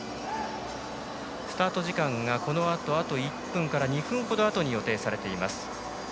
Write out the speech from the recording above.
スタート時間があと１分から２分ほどあとに予定されています。